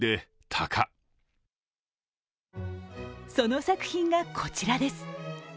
その作品が、こちらです。